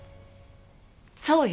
そうよ。